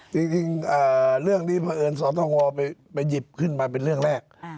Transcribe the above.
จริงเรื่องนี้เพราะเอิญสตงไปหยิบขึ้นมาเป็นเรื่องแรก